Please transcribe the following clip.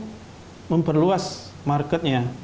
jadi berarti kita mau memperluas marketnya